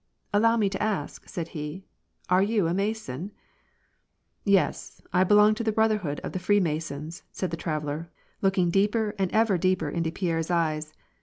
"Allow me to ask," said he, " are you a Mason ?"" YeS; I belong to the Brotherhood of the Freemasons," said the traveller, looking deeper and ever deeper into Pierre's eyes.